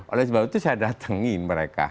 oleh sebab itu saya datangin mereka